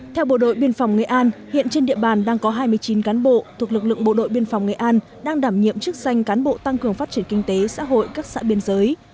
theo bộ đội biên phòng nghệ an hiện trên địa bàn đang có hai mươi chín cán bộ thuộc lực lượng bộ đội biên phòng nghệ an đang đảm nhiệm chức danh cán bộ tăng cường phát triển kinh tế xã hội các xã biên giới